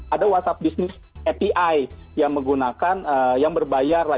ada whatsapp bisnis api yang menggunakan yang berbayar